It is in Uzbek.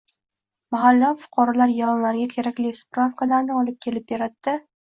Mahalla fuqarolar yig‘inlariga kerakli «isprapka»larni olib kelib beradi-da